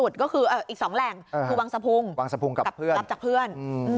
เหลืออีก๒แหล่งคือวังสะพุงกับรับจากเพื่อน